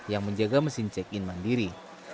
yang menjaga mesin check in mandiri